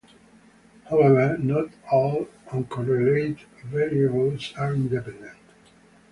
However, not all uncorrelated variables are independent.